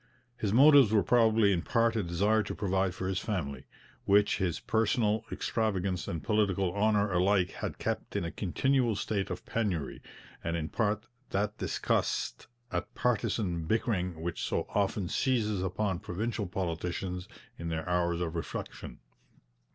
His motives were probably in part a desire to provide for his family, which his personal extravagance and political honour alike had kept in a continual state of penury, and in part that disgust at partisan bickering which so often seizes upon provincial politicians in their hours of reflection.